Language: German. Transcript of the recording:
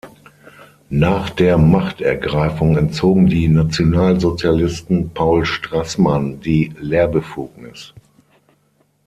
Nach der Machtergreifung entzogen die Nationalsozialisten Paul Straßmann die Lehrbefugnis.